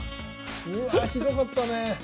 うわあひどかったねえ。